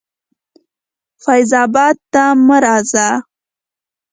فیض آباد ته مه راځه.